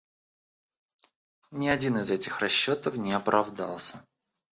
Ни один из этих расчетов не оправдался.